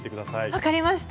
分かりました。